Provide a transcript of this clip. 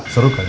seru kali ya